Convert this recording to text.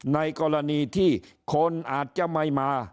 ในกรณีที่คนอาจจะไม่มา